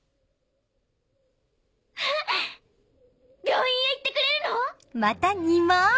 病院へ行ってくれるの？